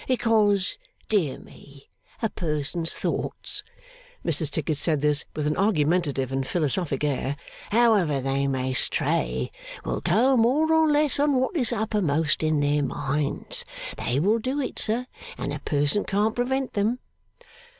Because, dear me! a person's thoughts,' Mrs Tickit said this with an argumentative and philosophic air, 'however they may stray, will go more or less on what is uppermost in their minds. They will do it, sir, and a person can't prevent them.